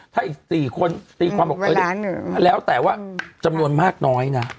ถ้าอีก๔คนตีความบอกแล้วแต่ว่าจำนวนมากน้อยนะ